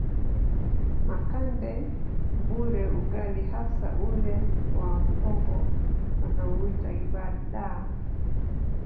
Makande Mbure ugali hasa ule wa muhogo wanauita ibadaa